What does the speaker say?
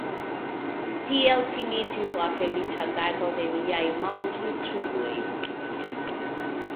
Tiel finiĝis la feliĉa tago de niaj malriĉuloj.